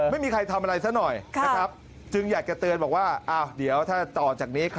ไม่มีใครทำอะไรซะหน่อยนะครับจึงอยากจะเตือนบอกว่าเดี๋ยวถ้าต่อจากนี้